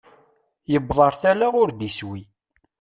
Yewweḍ ar tala ur d-iswi.